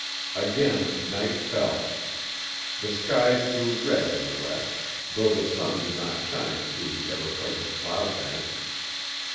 Again night fell. The skies grew red in the west, though the sun did not shine through the ever present cloud bank.